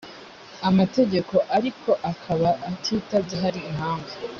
amategeko ariko akaba atitabye hari impamvu